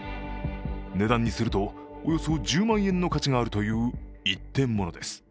値段にすると、およそ１０万円の価値があるという一点物です。